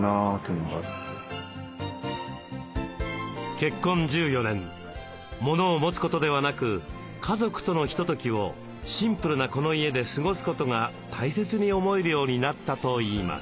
結婚１４年モノを持つことではなく家族とのひとときをシンプルなこの家で過ごすことが大切に思えるようになったといいます。